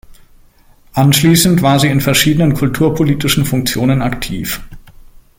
Anschließend war sie in verschiedenen kulturpolitischen Funktionen aktiv.